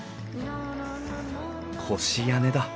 越屋根だ。